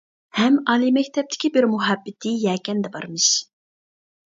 ھەم ئالىي مەكتەپتىكى بىر مۇھەببىتى يەكەندە بارمىش.